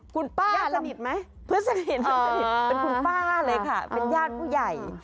คุณป้าสนิทไหมเป็นคุณป้าเลยค่ะเป็นญาติผู้ใหญ่